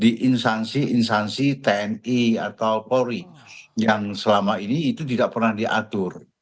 di instansi instansi tni atau polri yang selama ini itu tidak pernah diatur